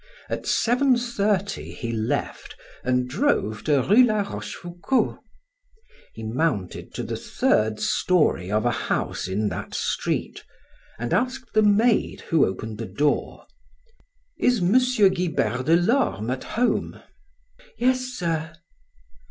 At seven thirty he left and drove to Rue La Rochefoucauld. He mounted to the third story of a house in that street, and asked the maid who opened the door: "Is M. Guibert de Lorme at home?" "Yes, sir."